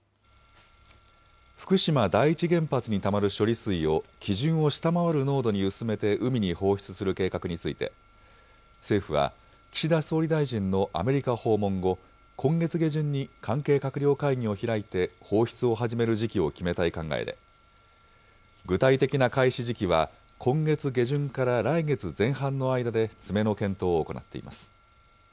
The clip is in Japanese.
福島第一原発にたまる処理水を、基準を下回る濃度に薄めて海に放出する計画について、政府は、岸田総理大臣のアメリカ訪問後、今月下旬に関係閣僚会議を開いて放出を始める時期を決めたい考えで、具体的な開始時期は今月下旬から来月前半の間で詰めの検討を行っています。